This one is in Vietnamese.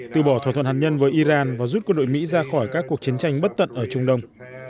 từ bỏ thỏa thuận hạt nhân với iran và rút quân đội mỹ ra khỏi các cuộc chiến tranh bất tận ở trung đông